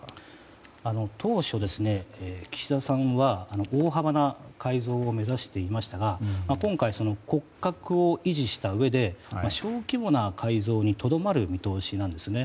当初、岸田さんは大幅な改造を目指していましたが今回、骨格を維持したうえで小規模な改造にとどまる見通しなんですね。